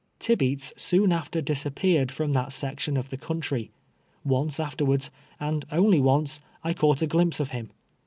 Tibeats soon after disappeared from that section of the country. Once afterwards, and only once, I caught a glimpse of him.